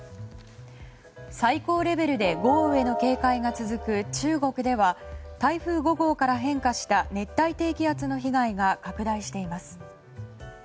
最高レベルで豪雨の警戒が続く中国では、台風５号から変化した熱帯低気圧の被害が拡大しています。